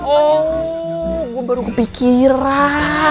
oh gue baru kepikiran